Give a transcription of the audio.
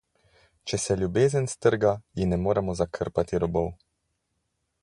Če se ljubezen strga, ji ne moremo zakrpati robov.